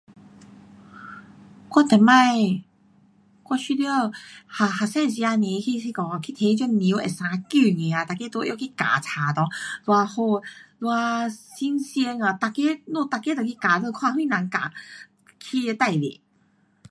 um 我以前，我觉得，学，学生时间不，那，那个去提这叶会生根的啊，每个都拿去夹书内，多好，多新鲜啊，每个，咱每个都去夹看谁人夹,起的最多。